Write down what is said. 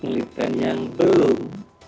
militer yang belum